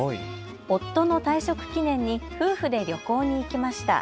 夫の退職記念に夫婦で旅行に行きました。